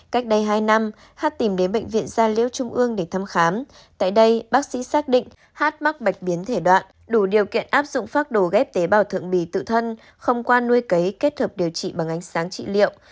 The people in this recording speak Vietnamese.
cách đây hai năm hát tìm đến bệnh viện gia liễu trung ương để thăm khám tại đây bác sĩ xác định hát mắc bạch biến thể đoạn đủ điều kiện áp dụng phác đồ ghép tế bào thượng bì tự thân không qua nuôi cấy kết hợp điều trị bằng ánh sáng trị liệu